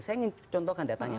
saya ingin contohkan data nya